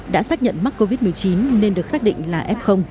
đã xác nhận mắc covid một mươi chín nên được xác định là f